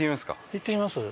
行ってみます？